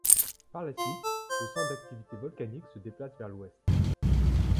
Par la suite, le centre d'activité volcanique se déplace vers l'ouest.